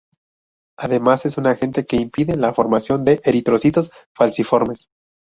Además es un agente que impide la formación de eritrocitos falciformes.